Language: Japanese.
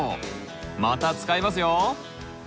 また使えますよ。